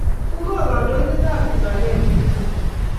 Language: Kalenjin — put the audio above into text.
Ko ng'o kandoindetap kipakengeing'wong'?